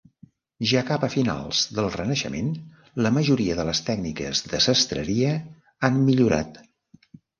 Ja cap a finals del renaixement la majoria de les tècniques de sastreria han millorat.